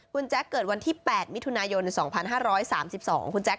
คุณแจ๊คเกิดวันที่๘มิถุนายน๒๕๓๒คุณแจ๊ค